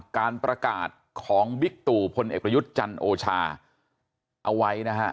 การประกาศของบิ๊กตู่พลเอกประยุทธ์จันโอชาเอาไว้นะฮะ